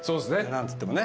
何つってもね。